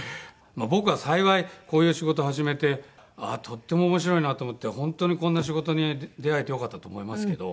僕は幸いこういう仕事を始めてとっても面白いなと思って本当にこんな仕事に出会えてよかったと思いますけど。